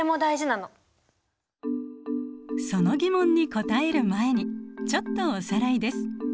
その疑問に答える前にちょっとおさらいです。